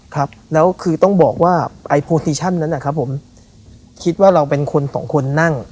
ครับแล้วคือต้องบอกว่าไอ้โปรติชั่นนั้นนะครับผมคิดว่าเราเป็นคนสองคนนั่ง